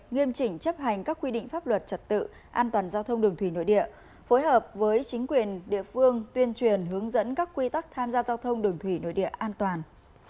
nghiêm chỉnh chấp hành các quy định pháp luật trật tự an toàn giao thông đường thủy nội địa phối hợp với chính quyền địa phương tuyên truyền hướng dẫn các quy tắc tham gia giao thông đường thủy nội địa an toàn